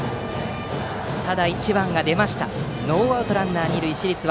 ただ、１番が出ましてノーアウトランナー、二塁。